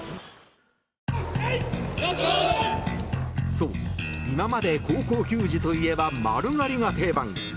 そう、今まで高校球児といえば丸刈りが定番。